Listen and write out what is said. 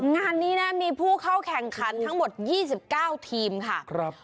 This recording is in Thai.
งานนี้นะมีผู้เข้าแข่งขันทั้งหมด๒๙ทีมค่ะ